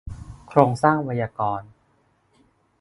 โครงสร้างไวยากรณ์